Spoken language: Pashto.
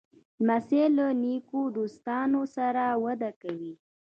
لمسی له نیکو دوستانو سره وده کوي.